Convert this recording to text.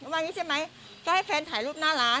ว่าอย่างนี้ใช่ไหมก็ให้แฟนถ่ายรูปหน้าร้าน